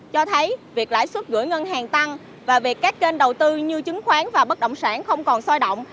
cho thấy việc lãi suất gửi ngân hàng tăng và việc các kênh đầu tư như chứng khoán và bất động sản không còn soi động